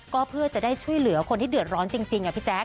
ก็เพื่อจะได้ช่วยเหลือคนที่เดือดร้อนจริงพี่แจ๊ค